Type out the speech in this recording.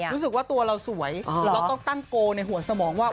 รู้สึกว่าตัวเราสวยเราต้องตั้งโกลในหัวสมองว่า